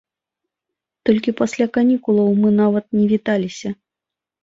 Толькі пасля канікулаў мы нават не віталіся.